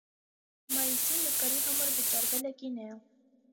Մայիսին նկարի համար վճարվել է գինեա։